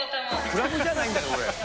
クラブじゃないんだから、これ。